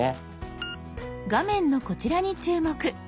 画面のこちらに注目！